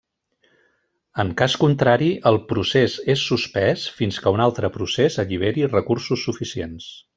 En cas contrari, el procés és suspès fins que un altre procés alliberi recursos suficients.